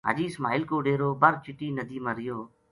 حاجی اسماعیل کو ڈیرو بر چٹی ندی ما رہیو